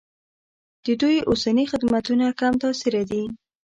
د دوی اوسني خدمتونه کم تاثیره دي.